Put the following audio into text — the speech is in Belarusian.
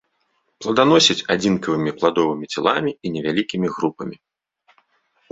Пладаносіць адзінкавымі пладовымі целамі і невялікімі групамі.